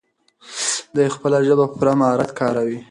دی خپله ژبه په پوره مهارت کاروي.